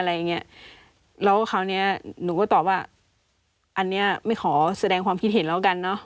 แล้วคราวนี้หนูก็ตอบว่าอันนี้ไม่ขอแสดงความคิดเห็นแล้วกันเนอะ